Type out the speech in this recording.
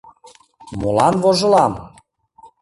Молан вожылам?